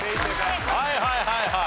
はいはいはいはい。